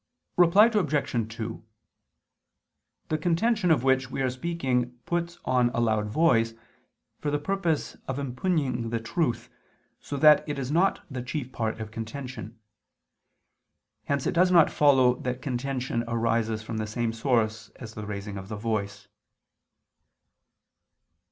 Reply Obj. 2: The contention of which we are speaking puts on a loud voice, for the purpose of impugning the truth, so that it is not the chief part of contention. Hence it does not follow that contention arises from the same source as the raising of the voice.